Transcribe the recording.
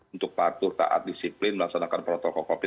untuk patuh taat disiplin melaksanakan protokol covid sembilan belas